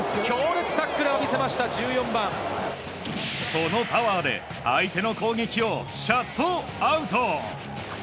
そのパワーで相手の攻撃をシャットアウト。